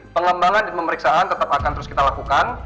pengembangan dan pemeriksaan tetap akan terus kita lakukan